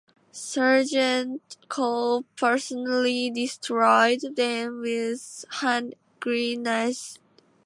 Sergeant Cole personally destroyed them with hand grenades.